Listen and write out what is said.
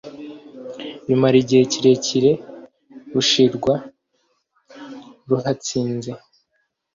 bimara igihe kirekire rushirwa ruhatsinze.